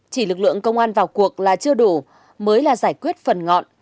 chỉ lực lượng công an vào cuộc là chưa đủ mới là giải quyết phần ngọn